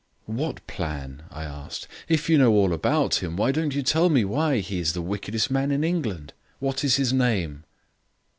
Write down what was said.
"What plan?" I asked. "If you know all about him, why don't you tell me why he is the wickedest man in England? What is his name?"